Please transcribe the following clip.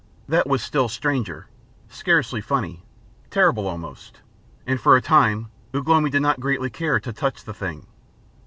That was still stranger scarcely funny, terrible almost, and for a time Ugh lomi did not greatly care to touch the thing.